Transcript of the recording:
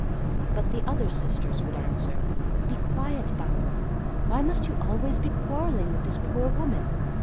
But the other sisters would answer, "Be quiet, Balna; why must you always be quarreling with this poor woman?